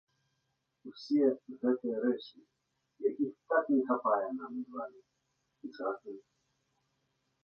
Усе гэтыя рэчы, якіх так не хапае нам з вамі, сучасным?